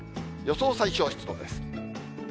予想最小湿度です。